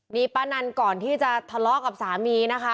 นี่ป้านันก่อนที่จะทะเลาะกับสามีนะคะ